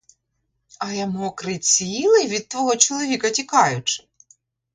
А я мокрий цілий, від твого чоловіка тікаючи?